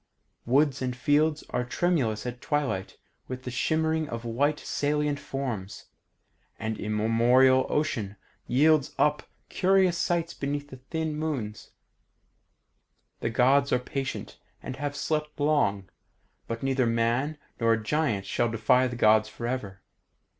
Woods and fields are tremulous at twilight with the shimmering of white saltant forms, and immemorial Ocean yields up curious sights beneath thin moons. The Gods are patient, and have slept long, but neither man nor giant shall defy the Gods forever.